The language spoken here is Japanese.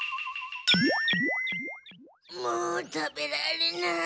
もう食べられない。